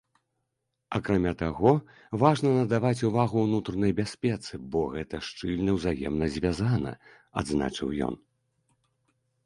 Акрамя таго, важна надаваць увагу ўнутранай бяспецы, бо гэта шчыльна ўзаемна звязана, адзначыў ён.